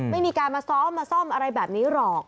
ไม่มีการมาซ้อมมาซ่อมอะไรแบบนี้หรอก